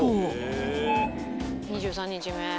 ２３日目。